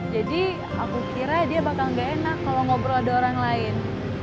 jadi aku kira dia bakal gak enak kalo ngobrol ada orang lain